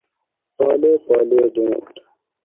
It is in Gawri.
پالے پالے ڈینڈ